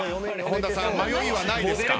本田さん迷いはないですか？